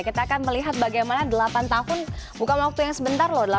kita akan melihat bagaimana delapan tahun bukan waktu yang sebentar loh